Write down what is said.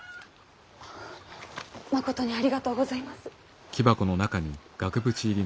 あまことにありがとうございます。